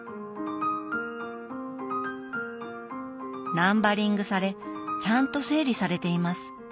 ナンバリングされちゃんと整理されています。